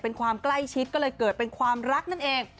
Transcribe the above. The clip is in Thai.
เป็นความใกล้ชิดก็เลยเกิดเป็นความรักนั่นเอง